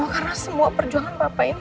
karena semua perjuangan papa ini